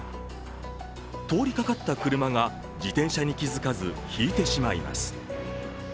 通りかかった車が自転車に気付かずひいてしまいます。